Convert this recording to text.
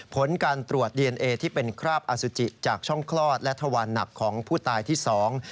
ผลการตรวจดีเอนเอที่เป็นคราบอสุจิจากช่องคลอดและทวารหนักของผู้ตายที่สอง